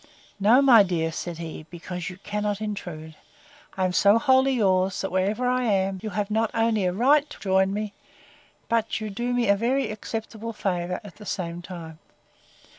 —No, my dear, said he, because you cannot intrude. I am so wholly yours, that, wherever I am, you have not only a right to join me, but you do me a very acceptable favour at the same time.